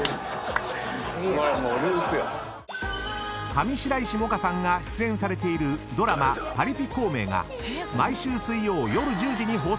［上白石萌歌さんが出演されているドラマ『パリピ孔明』が毎週水曜夜１０時に放送中］